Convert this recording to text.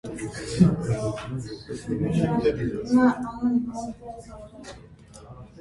Նա հերթով բարձրացել է բոլոր հարկերը և անկանոն կրակ վարել։